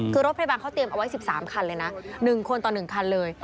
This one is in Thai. คือรถพยาบาลเขาเตรียมเอาไว้๑๓คันเลยนะ๑คนต่อ๑คันเลย